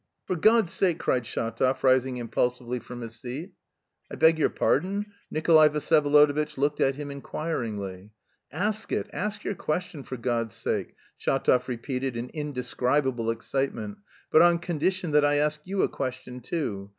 "For God's sake!" cried Shatov, rising impulsively from his seat. "I beg your pardon?" Nikolay Vsyevolodovitch looked at him inquiringly. "Ask it, ask your question for God's sake," Shatov repeated in indescribable excitement, "but on condition that I ask you a question too.